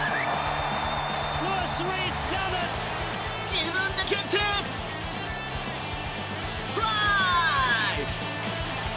自分で蹴ってトライ！